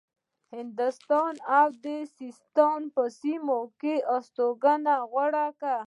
هندوستان او د سیستان په سیمو کې هستوګنه غوره کړه.